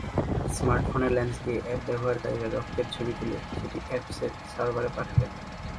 স্মার্টফোনের লেন্স দিয়ে অ্যাপ ব্যবহারকারীরা রক্তের ছবি তুলে সেটি অ্যাপসের সার্ভারে পাঠাবেন।